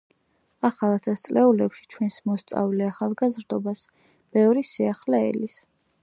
ახალ ათასწლეულში ჩვენს მოსწავლე ახალგაზრდობას ბევრი სიახლე ელის.